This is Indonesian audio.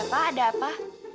iya pak ada apa